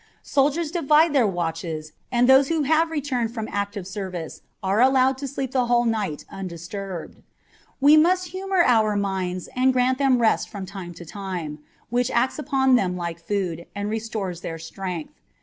Soldiers divide their watches, and those who have just returned from active service are allowed to sleep the whole night undisturbed. We must humour our minds and grant them rest from time to time, which acts upon them like food, and restores their strength.